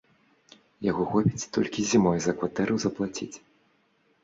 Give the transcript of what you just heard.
Яго хопіць толькі зімой за кватэру заплаціць.